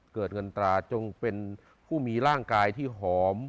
เกิดเงินตราจงเป็นผู้มีร่างกายที่หอม